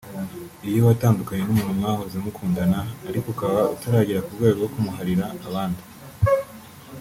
Iyo watandukanye n’umuntu mwahoze mukundana ariko ukaba utaragera ku rwego rwo kumuharira abandi